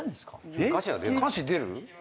歌詞出る？